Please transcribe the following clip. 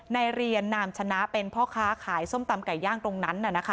เรียนนามชนะเป็นพ่อค้าขายส้มตำไก่ย่างตรงนั้น